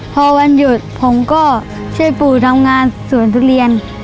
พอวันหยุดผมก็ช่วยปู่ทำงานสวนทุเรียน